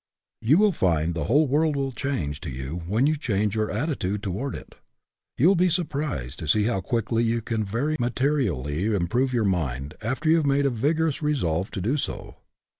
You will find the whole world will change to you when you change your attitude toward it. You will be surprised to see how quickly you can very materially improve your mind after you have made a vigorous resolve to do so.